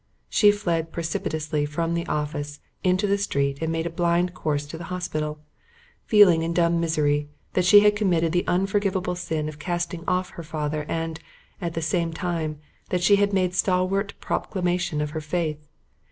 She fled precipitately from the office into the street and made a blind course to the hospital; feeling, in dumb misery, that she had committed the unforgivable sin of casting off her father and, at the same time, that she had made stalwart proclamation of her faith.